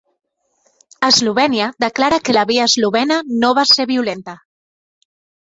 Eslovènia declara que la via eslovena no va ser violenta